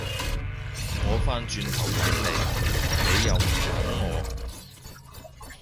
我返轉頭搵你，你又唔等我